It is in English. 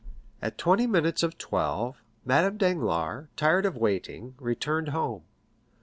At twenty minutes to twelve, Madame Danglars, tired of waiting, returned home.